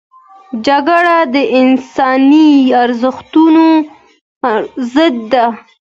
جګړه د انساني ارزښتونو ضد ده